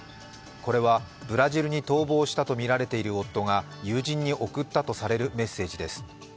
これはブラジルに逃亡したとみられている夫が友人に送ったとされるメッセージです。